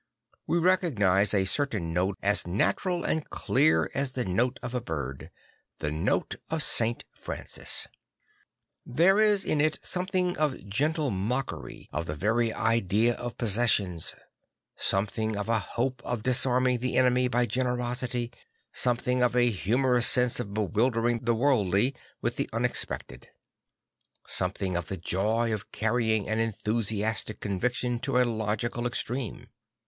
We recognise a certain note as natural and clear as the note of a bird the note of St. Francis. There is in it something of gentle mockery of the very idea of possessions; something of a hope of disarming the enemy by generosity; something of a humor ous sense of bewildering the worldly with the unexpected; something of the joy of carrying an enthusiastic conviction to a logical extreme.